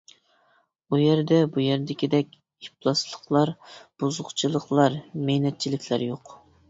ئۇ يەردە بۇ يەردىكىدەك ئىپلاسلىقلار، بۇزۇقچىلىقلار، مەينەتچىلىكلەر يوق.